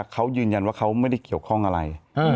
เขายืนยันว่าเขาไม่ได้เกี่ยวข้องอะไร